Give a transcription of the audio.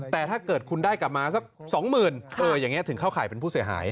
แต่ถ้าเกิดคุณได้กลับมาสัก๒๐๐๐อย่างนี้ถึงเข้าข่ายเป็นผู้เสียหาย